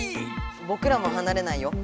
ぼくらもはなれないよ。